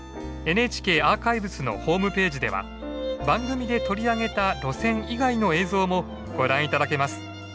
ＮＨＫアーカイブスのホームページでは番組で取り上げた路線以外の映像もご覧頂けます。